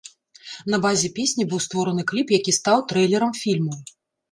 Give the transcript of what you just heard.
На базе песні быў створаны кліп, які стаў трэйлерам фільму.